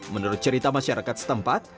menurut cerita masyarakat setempat